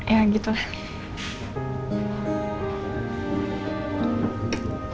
ya gitu lah